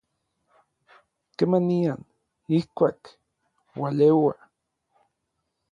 kemanian, ijkuak, ualeua